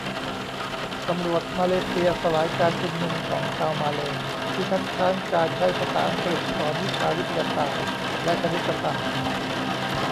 ตำรวจมาเลเซีย สลายการชุมนุมของชาวมาเลย์ ที่คัดค้านการใช้ภาษาอังกฤษสอนวิชาวิทยาศาสตร์และคณิตศาสตร์